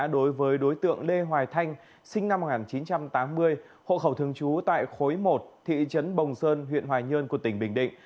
đối với đối tượng lê hoài thanh sinh năm một nghìn chín trăm tám mươi hộ khẩu thường trú tại khối một thị trấn bồng sơn huyện hoài nhơn của tỉnh bình định